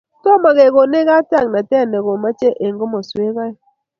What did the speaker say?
Tomo kekonech katiaknatet nikomoche eng komoswek aeng'